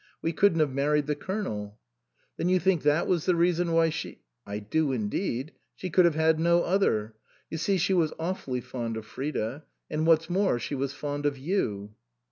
We couldn't have married the Colonel." "Then you think that was the reason why she "" I do, indeed. She could have had no other. You see she was awfully fond of Frida. And, what's more, she was fond of you."